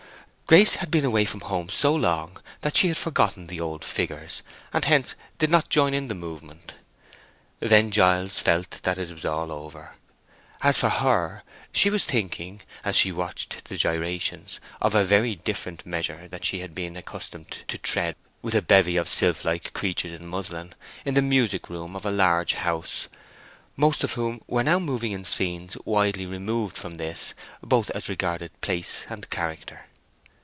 Grace had been away from home so long that she had forgotten the old figures, and hence did not join in the movement. Then Giles felt that all was over. As for her, she was thinking, as she watched the gyrations, of a very different measure that she had been accustomed to tread with a bevy of sylph like creatures in muslin, in the music room of a large house, most of whom were now moving in scenes widely removed from this, both as regarded place and character.